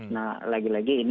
nah lagi lagi ini